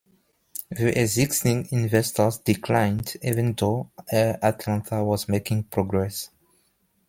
The existing investors declined even though Air Atlanta was making progress.